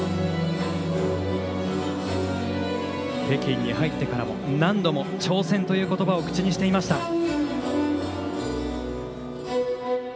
北京に入ってからも何度も挑戦という言葉を口にしていました。